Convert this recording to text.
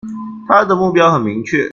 他的目標很明確